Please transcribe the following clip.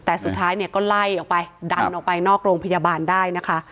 แต่สุดท้ายเนี่ยก็ไล่ออกไปดันออกไปนอกโรงพยาบาลได้นะคะ